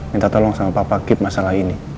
minta tolong sama papa keep masalah ini